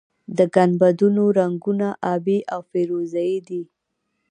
د ګنبدونو رنګونه ابي او فیروزه یي دي.